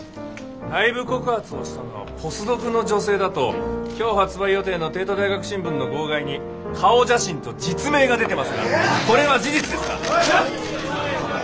内部告発をしたのはポスドクの女性だと今日発売予定の帝都大学新聞の号外に顔写真と実名が出てますがこれは事実ですか？